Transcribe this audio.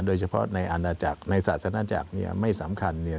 โดยเฉพาะในอาณาจักรในศาสนาจักรเนี่ยไม่สำคัญเนี่ย